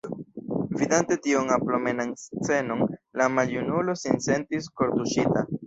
Vidante tiun amoplenan scenon, la maljunulo sin sentis kortuŝita.